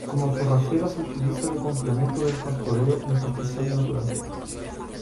Como forrajera se utiliza de complemento del pastoreo en pastizal natural.